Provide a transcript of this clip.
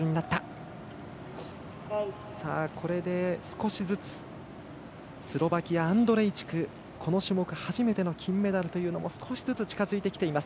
少しずつスロバキアアンドレイチクこの種目初めての金メダルというのも少しずつ近づいてきています。